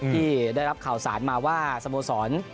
ที่ได้รับข่าวสารมาว่าสโมสร